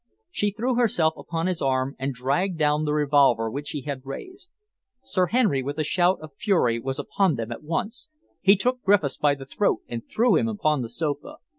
She threw herself upon his arm and dragged down the revolver which he had raised. Sir Henry, with a shout of fury, was upon them at once. He took Griffiths by the throat and threw him upon the sofa.